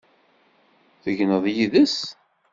Tegneḍ yid-s?